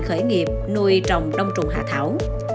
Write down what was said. khởi nghiệp nuôi trồng đông trùng hạ thảo